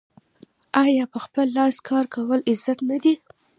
آیا په خپل لاس کار کول عزت نه دی؟